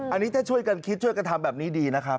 อันนี้ถ้าช่วยกันคิดช่วยกันทำแบบนี้ดีนะครับ